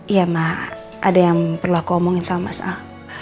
iya mak ada yang perlu aku ngomongin sama mas al